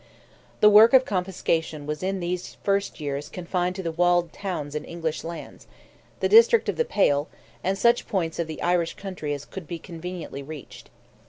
The work of confiscation was in these first years confined to the walled towns in English hands, the district of the Pale, and such points of the Irish country as could be conveniently reached.